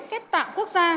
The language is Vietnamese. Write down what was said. khép tạng quốc gia